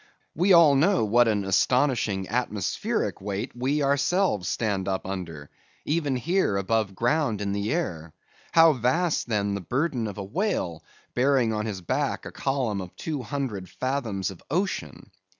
We all know what an astonishing atmospheric weight we ourselves stand up under; even here, above ground, in the air; how vast, then, the burden of a whale, bearing on his back a column of two hundred fathoms of ocean!